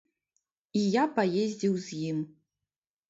І я паездзіў з ім.